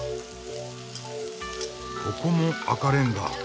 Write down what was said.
ここも赤レンガ。